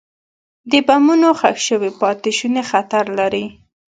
د بمونو ښخ شوي پاتې شوني خطر لري.